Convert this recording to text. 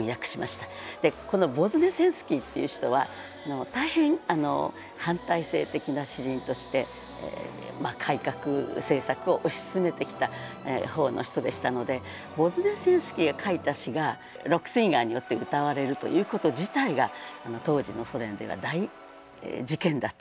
でこのボズネセンスキーっていう人は大変反体制的な詩人として改革政策を推し進めてきた方の人でしたのでボズネセンスキーが書いた詩がロックシンガーによって歌われるということ自体が当時のソ連では大事件だったと思います。